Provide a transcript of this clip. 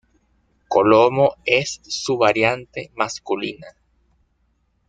Colomo es su variante masculina.